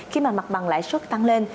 khi mà mặt bằng lạ suất tăng lên